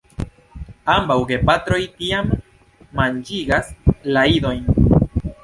Ambaŭ gepatroj tiam manĝigas la idojn.